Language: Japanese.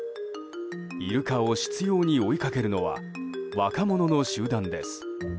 イルカを執拗に追いかけるのは若者の集団です。